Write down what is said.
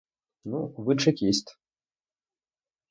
Ну, ви — чекіст.